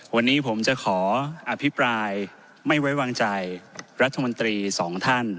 วันนี้ผมจะขออภิปรายไม่ไว้วางใจรัฐมนตรีสองท่าน